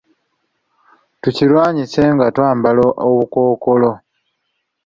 Tukirwanyise nga twambala obukookolo .